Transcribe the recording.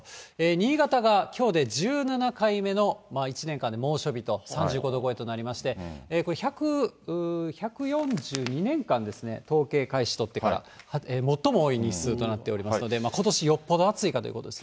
新潟がきょうで１７回目の、１年間で猛暑日と、３５度超えとなっていまして、これ、１４２年間ですね、統計開始、取ってから最も多い日数となっておりますので、ことし、よっぽど暑いかっていうことです。